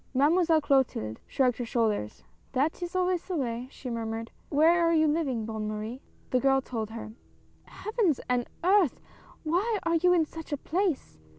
Mademoiselle Clotilde shrugged her shoulders. " That is always the way," she murmured. " Where are you living, Bonne Marie ?" The girl told her. " Heavens and Earth ! why are you in such a place